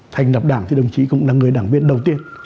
thành lập đảng thì đồng chí cũng là người đảng viên đầu tiên